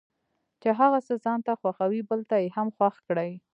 چې هغه څه ځانته خوښوي بل ته یې هم خوښ کړي.